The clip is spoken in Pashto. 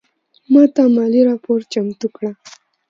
ماته مالي راپور چمتو کړه